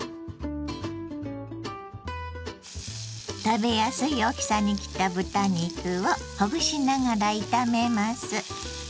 食べやすい大きさに切った豚肉をほぐしながら炒めます。